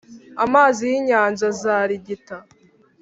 Amazi y’inyanja azarigita,